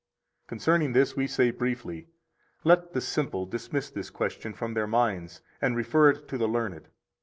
Concerning this we say briefly: 48 Let the simple dismiss this question from their minds, and refer it to the learned.